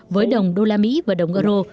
với đồng đô la mỹ và đồng euro